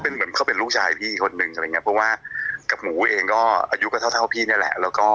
เป็นเหมือนเขาเป็นลูกชายพี่อีกคนนึงอะไรอย่างเงี้เพราะว่ากับหมูเองก็อายุก็เท่าเท่าพี่นี่แหละแล้วก็